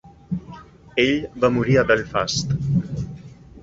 Ell va morir a Belfast.